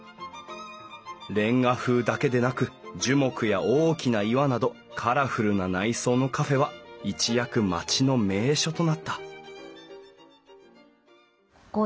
レンガ風だけでなく樹木や大きな岩などカラフルな内装のカフェは一躍町の名所となったここを作っていた